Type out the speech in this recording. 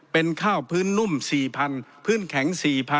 เป็นข้าวพื้นนุ่ม๔๐๐๐พื้นแข็ง๔๐๐